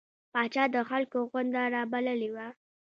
پاچا د خلکو غونده رابللې وه.